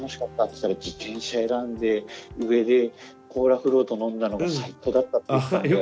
っつったら「自転車選んで上でコーラフロート飲んだのが最高だった」って言ったんで。